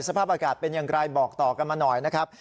สภาพอากาศเป็นอย่างไรบอกต่อกันมาหน่อยนะครับ